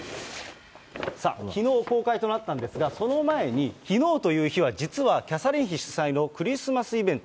さあ、きのう公開となったんですが、その前に、きのうという日は実はキャサリン妃主催のクリスマスイベント。